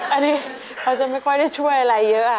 อันนี้เขาจะไม่ค่อยได้ช่วยอะไรเยอะ